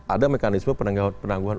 ada mekanisme penangguhan